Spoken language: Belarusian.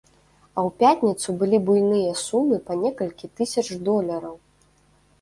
А ў пятніцу былі буйныя сумы па некалькі тысяч долараў.